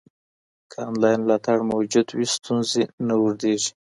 که انلاین ملاتړ موجود وي، ستونزې نه اوږدېږي.